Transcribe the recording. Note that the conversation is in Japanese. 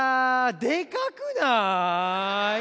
でかくない？